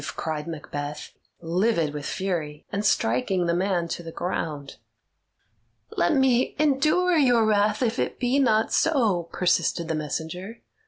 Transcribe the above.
cried Macbeth, livid with fury, and striking the man to the ground. "Let me endure your wrath if it be not so," persisted the messenger.